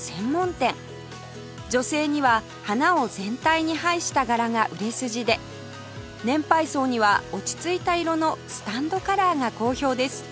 女性には花を全体に配した柄が売れ筋で年配層には落ち着いた色のスタンドカラーが好評です